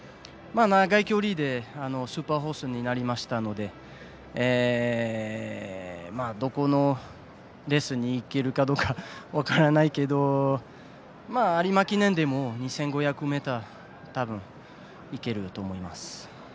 長い距離でスーパーホースになりましたのでどこのレースにいけるかどうか分からないけど有馬記念でも２５００ｍ多分、いけると思います。